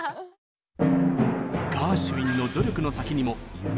ガーシュウィンの努力の先にも「夢」があったんです。